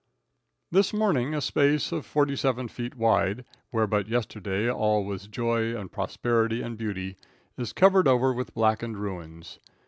This morning a space forty seven feet wide, where but yesterday all was joy and prosperity and beauty, is covered over with blackened ruins.